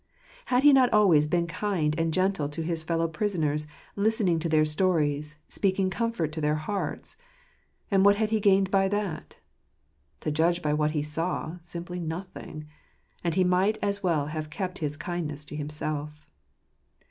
Had he not always been kind and gentle to his fellow prisoners, listening to their stories, speaking comfort to their hearts? And what had he gained by that ? To judge by what he saw, simply nothing ; and he might as'well have kept his kindness to himself.